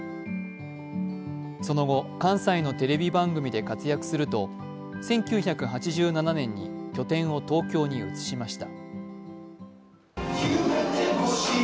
その後、関西のテレビ番組で活躍すると、１９８７年に拠点を東京に移しました。